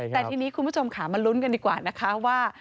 แต่ทีนี้คุณผู้ชมค่ะมาลุ้นกันดีกว่านะคะว่า